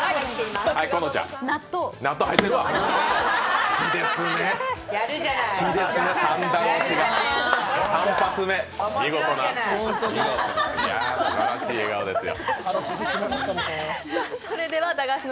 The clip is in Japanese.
すばらしい笑顔ですよ。